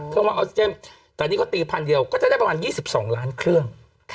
ธรรมออสเจภแต่นี่เขาตีภาษณ์เดียวก็จะได้ประมาณ๒๒ล้านเครื่อง